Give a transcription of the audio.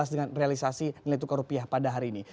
dengan realisasi nilai tukar rupiah pada hari ini